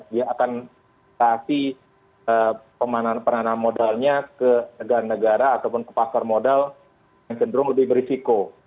dia akan kasih peranan modalnya ke negara negara ataupun ke pasar modal yang cenderung lebih berisiko